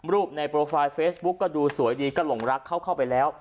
รูปในโปรไฟล์เฟซบุ๊กก็ดูสวยดีก็หลงรักเขาเข้าไปแล้ว